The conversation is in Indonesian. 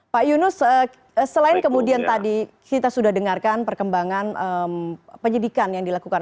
pak yunus selain kemudian tadi kita sudah dengarkan perkembangan penyidikan yang dilakukan